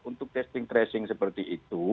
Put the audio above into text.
untuk testing tracing seperti itu